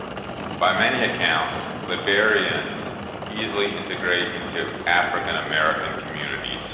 By many accounts, Liberians easily integrate into African-American communities.